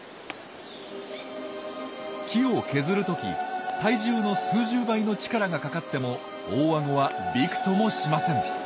木を削る時体重の数十倍の力がかかっても大あごはびくともしません。